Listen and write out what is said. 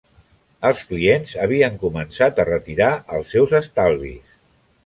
Els clients havien començat a retirar els seus estalvis.